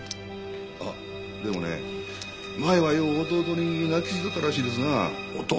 あっでもね前はよう弟に泣きついとったらしいですな。弟？